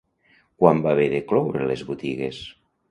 Quan va haver de cloure les botigues?